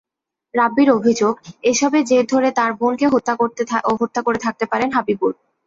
রাব্বীর অভিযোগ, এসবের জের ধরে তাঁর বোনকে হত্যা করে থাকতে পারেন হাবিবুর।